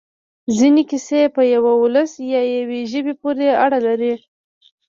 ځینې کیسې په یوه ولس یا یوې ژبې پورې اړه لري.